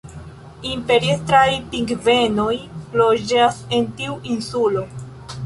Imperiestraj pingvenoj loĝas en tiu insulo.